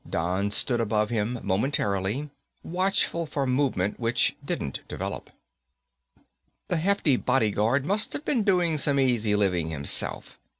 Don stood above him momentarily, watchful for movement which didn't develop. The hefty bodyguard must have been doing some easy living himself.